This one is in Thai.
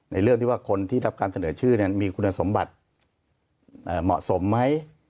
เรื่องที่ว่าคนที่รับการเสนอชื่อมีคุณสมบัติเหมาะสมไหม